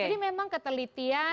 jadi memang ketelitian